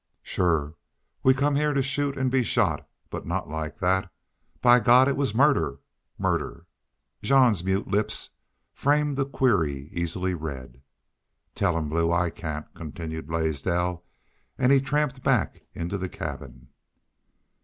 Shore, we come heah to shoot an' be shot. But not like that.... By God, it was murder murder!" Jean's mute lips framed a query easily read. "Tell him, Blue. I cain't," continued Blaisdell, and he tramped back into the cabin.